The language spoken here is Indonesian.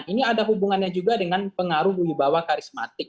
ini ada hubungannya juga dengan pengaruh bui bawah karismatik